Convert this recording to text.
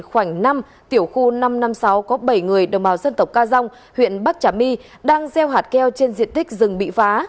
khoảng năm tiểu khu năm trăm năm mươi sáu có bảy người đồng bào dân tộc ca dông huyện bắc trà my đang gieo hạt keo trên diện tích rừng bị phá